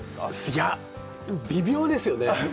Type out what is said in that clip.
いや、微妙ですよね。